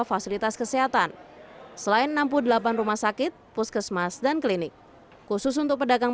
fasilitas kesehatan selain enam puluh delapan rumah sakit puskesmas dan klinik khusus untuk pedagang